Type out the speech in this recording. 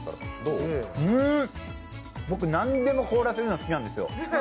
うーん、僕何でも凍らせるのが好きなんですよ。